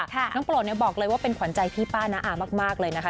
น้องโปรดเนี่ยบอกเลยว่าเป็นขวัญใจพี่ป้าน้าอามากเลยนะคะ